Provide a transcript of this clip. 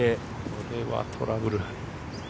これはトラブル。